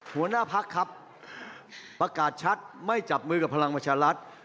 หัวหน้าพักครับประกาศชัดไม่จับมือกับพลังประชารัฐ